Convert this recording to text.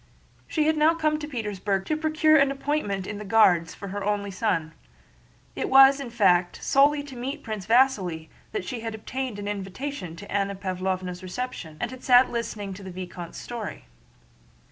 She had now come to Petersburg to procure an appointment in the Guards for her only son. It was, in fact, solely to meet Prince Vasíli that she had obtained an invitation to Anna Pávlovna's reception and had sat listening to the vicomte's story.